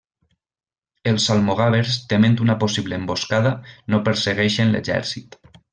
Els almogàvers tement una possible emboscada no persegueixen l'exèrcit.